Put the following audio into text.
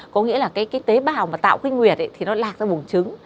có nghĩa là cái tế bào mà tạo cái nguyệt thì nó lạc ra buồn trứng